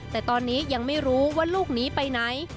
แต่ตอนนี้ยังไม่รู้ว่าลูกหนีไปไหน